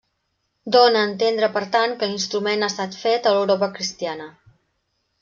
Dóna a entendre per tant que l'instrument ha estat fet a l'Europa cristiana.